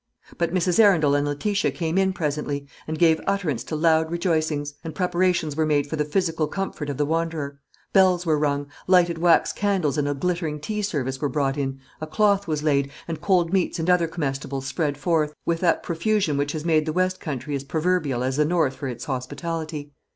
But Mrs. Arundel and Letitia came in presently, and gave utterance to loud rejoicings; and preparations were made for the physical comfort of the wanderer, bells were rung, lighted wax candles and a glittering tea service were brought in, a cloth was laid, and cold meats and other comestibles spread forth, with that profusion which has made the west country as proverbial as the north for its hospitality.